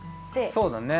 そうだね。